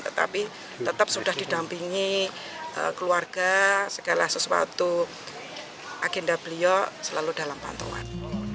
tetapi tetap sudah didampingi keluarga segala sesuatu agenda beliau selalu dalam pantauan